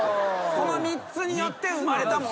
この３つによって生まれたものだと。